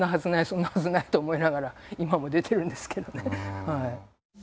そんなはずないと思いながら今も出てるんですけどね。